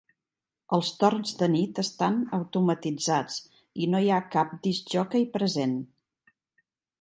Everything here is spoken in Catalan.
Els torns de nit estan automatitzats i no hi ha cap discjòquei present.